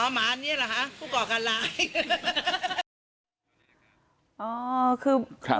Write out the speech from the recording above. อ๋อหมาเนี่ยแล้ว้พูดห่อการร้าย